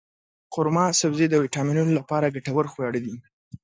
قورمه سبزي د ویټامینونو لپاره ګټور خواړه دی.